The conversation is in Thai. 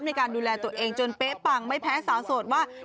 ในการดูแลตัวเองจนเป๊ะปังไม่แพ้สาวโสดว่า